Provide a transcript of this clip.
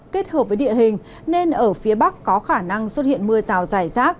kết hợp với địa hình nên ở phía bắc có khả năng xuất hiện mưa rào dài rác